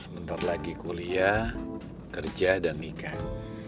bentar lagi kuliah kerja dan nikah